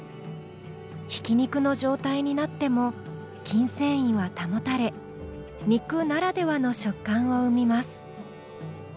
ひき肉の状態になっても筋繊維は保たれ肉ならではの食感を生みます。